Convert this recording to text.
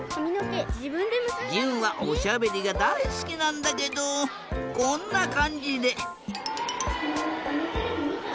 じゅんはおしゃべりがだいすきなんだけどこんなかんじで。